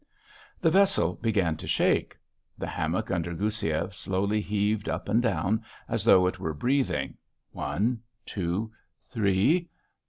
The vessel began to shake. The hammock under Goussiev slowly heaved up and down, as though it were breathing one, two, three....